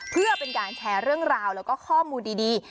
เพื่อเป็นการแชร์เรื่องราวแล้วก็ข้อมูลดี